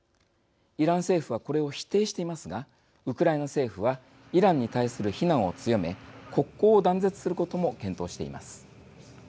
イラン政府はこれを否定していますがウクライナ政府はイランに対する非難を強め国交を断絶することも検討しています。